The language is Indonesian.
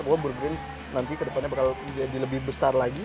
bahwa bergrins nanti kedepannya bakal jadi lebih besar lagi